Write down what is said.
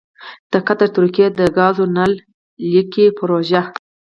دقطر ترکیې دګازو نل لیکې پروژه: